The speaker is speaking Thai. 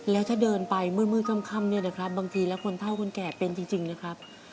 แล้วถ้าเดินไปมืดค่ำเนี่ยนะครับบางทีแล้วคนเท่าคนแก่เป็นจริงนะครับ